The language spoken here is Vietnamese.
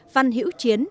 văn hiễu chiến